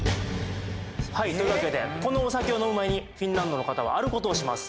はいというわけでこのお酒を飲む前にフィンランドの方はあることをします